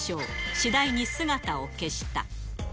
次第に姿を消した。